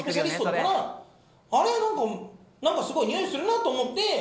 なんかなんかすごいにおいするなと思って。